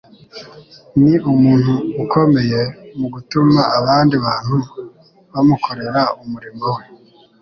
Ni umuntu ukomeye mu gutuma abandi bantu bamukorera umurimo we